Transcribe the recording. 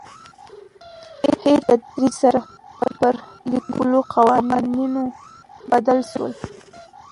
هیر په تدریج سره پر لیکلو قوانینو بدل شول.